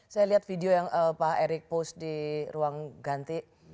saya lihat video yang pak erick post di ruang ganti